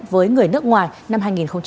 với người nước ngoài năm hai nghìn hai mươi một